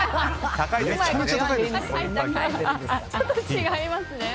ちょっと違いますね。